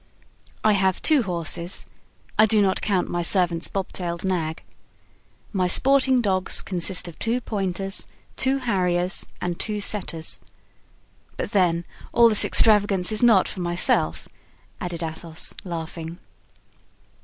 I have two horses,—I do not count my servant's bobtailed nag. My sporting dogs consist of two pointers, two harriers and two setters. But then all this extravagance is not for myself," added Athos, laughing.